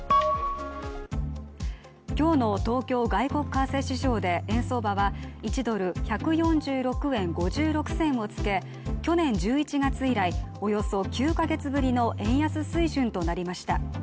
今日の東京外国為替市場で、円相場は１ドル＝１４６円５６銭をつけ、去年１１月以来およそ９か月ぶりの円安水準となりました。